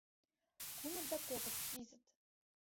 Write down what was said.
— Кумыт да кокыт — визыт.